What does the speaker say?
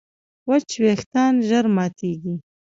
وچ وېښتيان ژر ماتېږي.